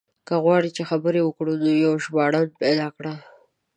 که غواړې چې خبرې وکړو نو يو ژباړن پيدا کړه.